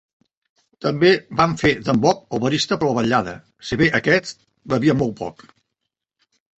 També van fer d'en Bob el barista per la vetllada, si bé aquest bevia molt poc.